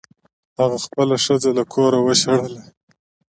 هغه خپله ښځه له کوره وشړله.